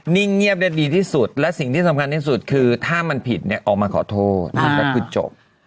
่งเงียบได้ดีที่สุดและสิ่งที่สำคัญที่สุดคือถ้ามันผิดเนี่ยออกมาขอโทษก็คือจบ